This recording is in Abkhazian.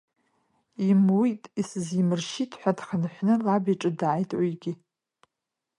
Имуит, исзимыршьит, ҳәа дхынҳәны лаб иҿы дааит уигьы.